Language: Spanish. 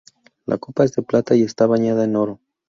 La Copa es de plata y está bañada en oro.